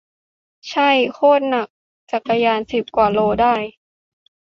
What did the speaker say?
ใช่ โคตรหนัก จักรยาน สิบกว่าโลได้